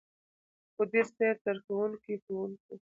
مدير صيب، سرښوونکو ،ښوونکو،